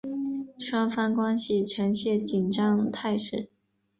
双方关系呈现紧张态势。